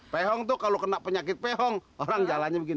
pehong tuh kalau kena penyakit pehong orang jalannya begini